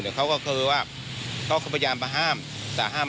เนี่ยค่ะแล้วก็มีผู้ที่เห็นเหตุการณ์เขาก็เล่าให้ฟังเหมือนกันนะครับ